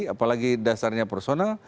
apalagi dasarnya personal